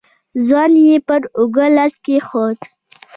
ځوان يې پر اوږه لاس کېښود.